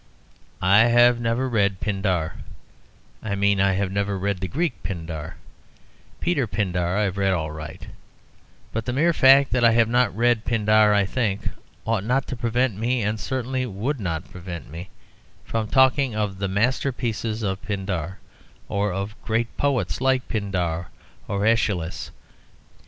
I have never read Pindar (I mean I have never read the Greek Pindar; Peter Pindar I have read all right), but the mere fact that I have not read Pindar, I think, ought not to prevent me and certainly would not prevent me from talking of "the masterpieces of Pindar," or of "great poets like Pindar or Æschylus."